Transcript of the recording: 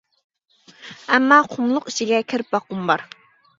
ئەمما قۇملۇق ئىچىگە كىرىپ باققۇم بار.